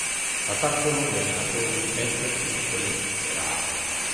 საქართველო მევენახეობის ერთ-ერთი უძველესი კერაა.